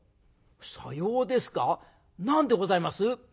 「さようですか何でございます？」。